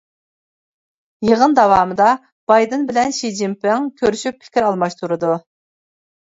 يېغىن داۋامىدا، بايدىن بىلەن شى جىن پىڭ كۆرۈشۈپ پىكىر ئالماشتۇرىدۇ.